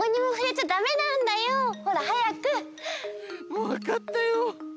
もうわかったよ。